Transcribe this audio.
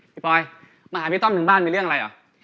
ปอยมาหาพี่ต้อมถึงบ้านมีเรื่องอะไรเหรอ